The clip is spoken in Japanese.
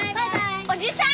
おじさん！